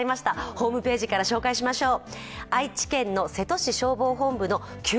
ホームページから紹介しましょう。